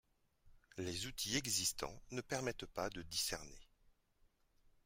Les outils existants ne permettent pas de discerner.